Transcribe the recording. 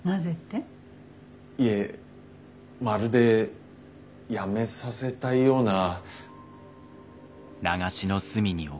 いえまるで辞めさせたいような。